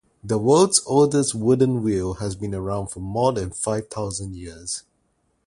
The world’s oldest wooden wheel has been around for more than five-thousand years